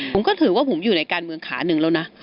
ผมก็ถือว่าผมอยู่ในการเมืองขาหนึ่งแล้วนะ